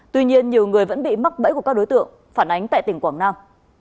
tuy nhiên nhiều người vẫn bị mắc bẫy của các đối tượng phản ánh tại tỉnh quảng nam